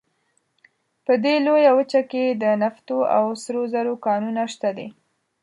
په دې لویه وچه کې د نفتو او سرو زرو کانونه شته دي.